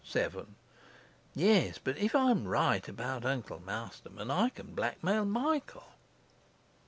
Yes, but if I am right about Uncle Masterman, I can blackmail Michael.